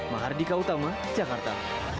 mahardika utama jakarta